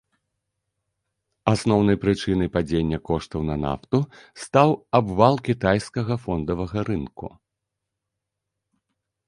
Асноўнай прычынай падзення коштаў на нафту стаў абвал кітайскага фондавага рынку.